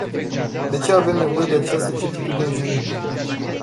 De ce avem nevoie de această certitudine juridică?